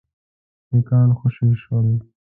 سیکهان خوشي شول.